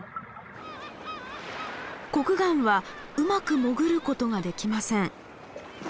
コクガンはうまく潜ることができません。